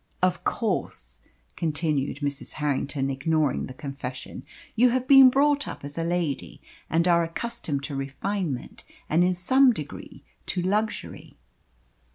"Of course," continued Mrs. Harrington, ignoring the confession, "you have been brought up as a lady, and are accustomed to refinement, and in some degree to luxury."